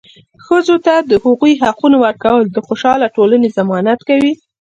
ښځو ته د هغوي حقونه ورکول د خوشحاله ټولنې ضمانت کوي.